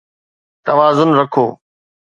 توازن رکو